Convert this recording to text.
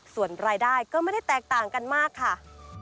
ส่วนรายได้ก็ไม่ได้แตกต่างกันมากค่ะ